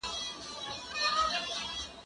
زه پرون قلم استعمالوم کړ!؟